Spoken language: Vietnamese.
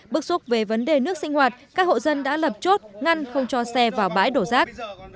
bức xúc về vấn đề nước sinh hoạt các hộ dân đã lập chốt ngăn không cho xe vào bãi đổ rác